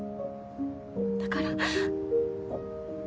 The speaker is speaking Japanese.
だから。